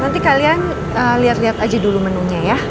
nanti kalian liat liat aja dulu menunya ya